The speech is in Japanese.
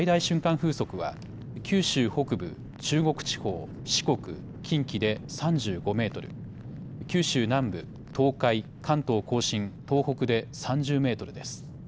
風速は九州北部、中国地方、四国、近畿で３５メートル、九州南部、東海、関東甲信、東北で３０メートルです。